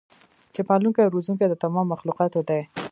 چې پالونکی او روزونکی د تمامو مخلوقاتو دی